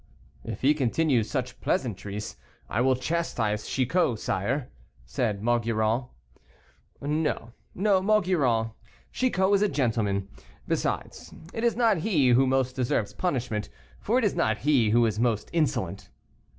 "If he continue such pleasantries, I will chastise Chicot, sire," said Maugiron. "No, no, Maugiron, Chicot is a gentleman. Besides, it is not he who most deserves punishment, for it is not he who is most insolent."